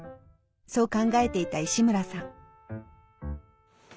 そう考えていた石村さん。